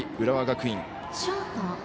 浦和学院。